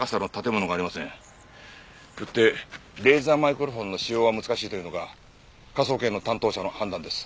よってレーザーマイクロフォンの使用は難しいというのが科捜研の担当者の判断です。